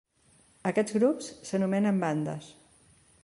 Aquests grups s'anomenen bandes.